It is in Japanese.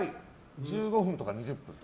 １５分とか２０分。